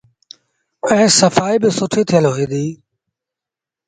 ائيٚݩ سڦآئيٚ با سُٺي ٿيل هوئي ديٚ۔